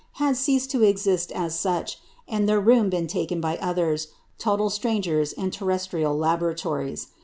had ceased to exist as such, and their room been taken by others, total strangers in terrestrial laboratories.